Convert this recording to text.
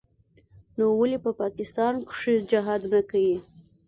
نو ولې په پاکستان کښې جهاد نه کيي.